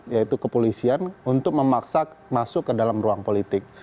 yaitu kepolisian untuk memaksa masuk ke dalam ruang politik